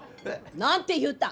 何て言うた？